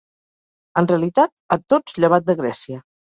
En realitat, a tots llevat de Grècia.